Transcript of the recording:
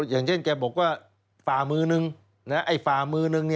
อย่างเช่นแกบอกว่าฝ่ามือนึง